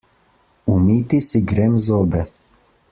Umiti si grem zobe.